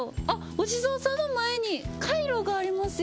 お地蔵さんの前にカイロがありますよ。